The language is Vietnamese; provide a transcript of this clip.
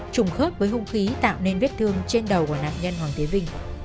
trùng khớp với hung khí tạo nên viết thương trên đầu của nạn nhân hoàng tế vinh